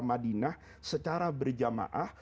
madinah secara berjamaah